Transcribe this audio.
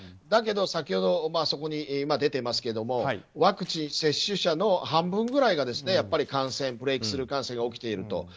だけど、先ほどそこに出てますがワクチン接種者の半分くらいがやっぱりブレークスルー感染が起きていると。